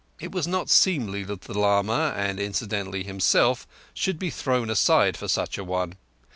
It was not seemly that the lama, and incidentally himself, should be thrown aside for such an one.